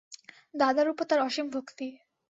দাদার উপর তার অসীম ভক্তি।